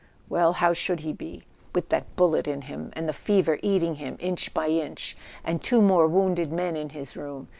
Well, how should he be, with that bullet in him, and the fever eating him inch by inch, and two more wounded men in his room